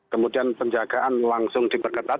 kemudian penjagaan langsung diperketat